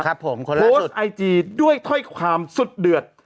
ครับผมคนล่าสุดโพสต์ไอจีด้วยถ้อยความสุดเดือด